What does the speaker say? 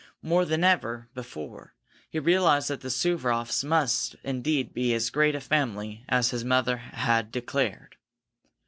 More than ever before, he realized that the Suvaroffs must indeed be as great a family as his mother had declared.